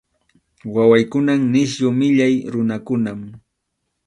Wawaykunan nisyu millay runakunam.